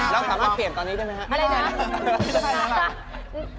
แล้วสามารถเปลี่ยนตอนนี้ได้ไหมครับ